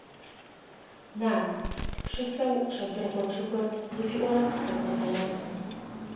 Нан! Пшысэу «Шэдыргъо чъыгыр» зыфиӀорэр къысфэпӀотэна?